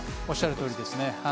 おっしゃるとおりです。